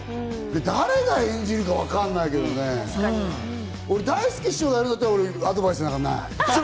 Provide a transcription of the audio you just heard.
誰が演じる分からないけどね、大助師匠がやったら、俺、アドバイスなんかない。